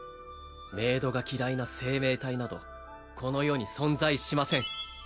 メイドが嫌いな生命体などこの世に存在しません